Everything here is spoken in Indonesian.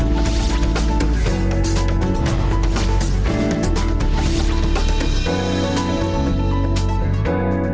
terima kasih banyak